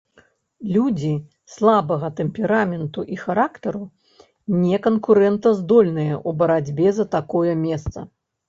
Людзі слабага тэмпераменту і характару не канкурэнтаздольныя ў барацьбе за такое месца.